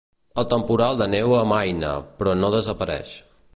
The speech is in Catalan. El temporal de neu amaina, però no desapareix.